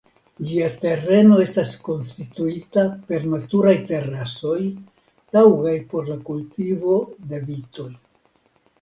Ĝia tereno estas konstituita per naturaj terasoj taŭgaj por la kultivo de vitoj.